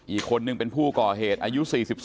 อีกคนนึงเป็นผู้ก่อเหตุอายุ๔๒